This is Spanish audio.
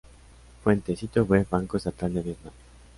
Fuente: Sitio web Banco Estatal de Vietnam